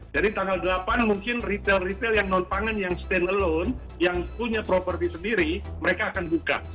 jadi tanggal delapan mungkin retail retail yang non pangan yang stand alone yang punya properti sendiri mereka akan buka